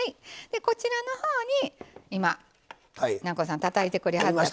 でこちらのほうに今南光さんたたいてくれはった